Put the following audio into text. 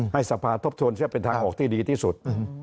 ให้สภาทบทวนซะเป็นทางออกที่ดีที่สุด